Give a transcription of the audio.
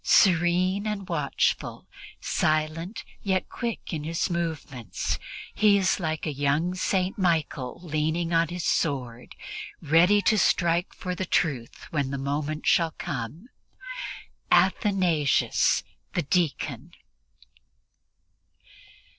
Serene and watchful, silent yet quick in his movements, he is like a young St. Michael leaning on his sword, ready to strike for the truth when the moment shall come Athanasius the deacon.